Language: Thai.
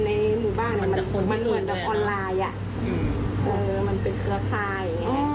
มันมันมันเป็นคือไทย